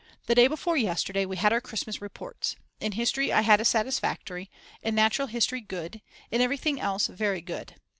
The day before yesterday we had our Christmas reports: In history I had satisfactory, in Natural History good, in everything else very good.